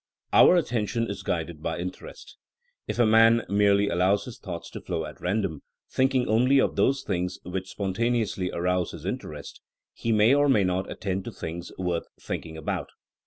Our attention is guided by interest. If a man merely allows his thoughts to flow at random, thinking only of those things which spon taneously arouse his interest, he may or may not attend to things worth thinking about.